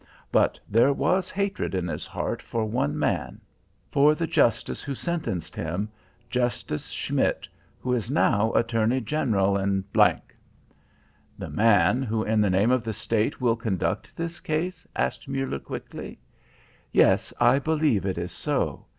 But there was hatred in his heart for one man, for the Justice who sentenced him, Justice Schmidt, who is now Attorney General in G ." "The man who, in the name of the State, will conduct this case?" asked Muller quickly. "Yes, I believe it is so.